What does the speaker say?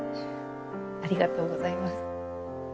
ありがとうございます。